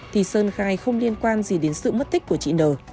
thì sơn khai không liên quan gì đến sự mất tích của chị nờ